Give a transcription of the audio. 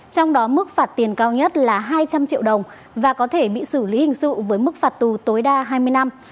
trong đó mức phạt tiền cao nhất là hai trăm linh triệu đồng và có thể bị xử lý hình sự với mức phạt tù tối đa hai mươi năm